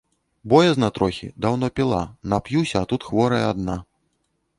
Боязна трохі, даўно піла, нап'юся, а тут хворая адна.